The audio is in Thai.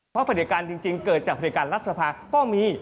เพราะประเด็จการจริงเกิดจากบริการรัฐสภาก็มี